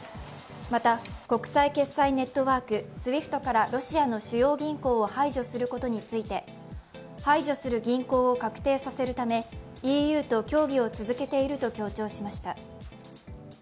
また、国際決済ネットワーク、ＳＷＩＦＴからロシアの主要銀行を排除することについて、排除する銀行を確定させるため、ＥＵと協議を続けていると強調しました。